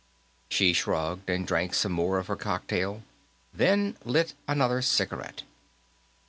She shrugged and drank some more of her cocktail, then lit another cigarette.